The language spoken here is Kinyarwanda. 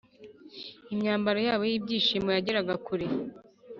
imyambaro yabo y ibyishimo yageraga kure